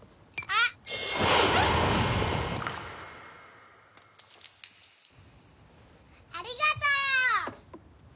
ありがとう！